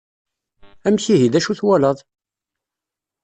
Amek ihi, d acu twalaḍ?